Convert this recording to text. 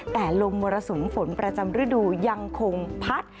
แต่ลมมรสุมฝนประจำฤดูยังคงพัด